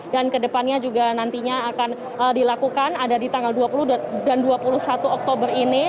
dan kedepannya juga nantinya akan dilakukan ada di tanggal dua puluh dan dua puluh satu oktober ini